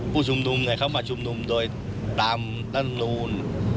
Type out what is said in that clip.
ผู้ชุมนุมเข้ามาชุมนุมโดยตามรัฐมนูล